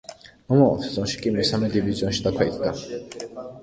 მომავალ სეზონში კი მესამე დივიზიონში დაქვეითდა.